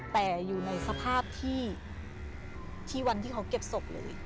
แต่อยู่ในสภาพที่วันที่เขาเก็บศพเลย